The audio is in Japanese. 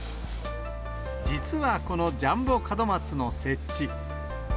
実はこのジャンボ門松の設置。